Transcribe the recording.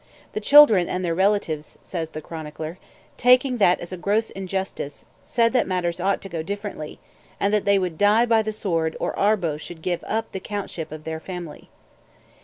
"The children and their relatives," says the chronicler, "taking that as a gross injustice, said that matters ought to go differently, and that they would die by the sword or Arbo should give up the courtship of their family."